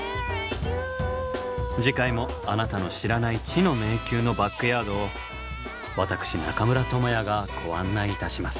次回もあなたの知らない「知の迷宮」のバックヤードを私中村倫也がご案内いたします。